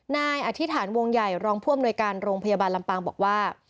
นายอธิษฐานวงใหญ่รองผู้อำนวยการโรงพยาบาลลำปางบอกว่า